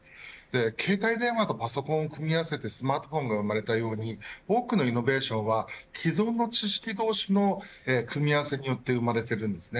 携帯電話とパソコンを組み合わせてスマートフォンが生まれたように多くのイノベーションは既存の知識同士の組み合わせによって生まれているんですね。